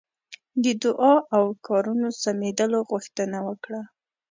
د دعا او کارونو سمېدلو غوښتنه وکړه.